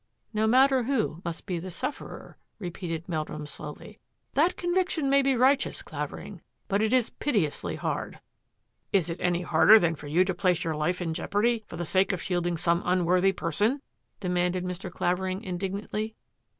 " No matter who must be the sufferer," repeated Meldrum slowly. " That conviction may be right eous, Clavering, but It Is pitilessly hard." " Is It any harder than for you to place your life In jeopardy for the sake of shielding some unworthy person? " demanded Mr. Clavering In dignantly.